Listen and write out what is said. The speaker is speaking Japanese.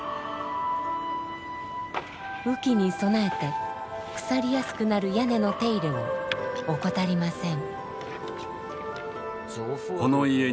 雨季に備えて腐りやすくなる屋根の手入れを怠りません。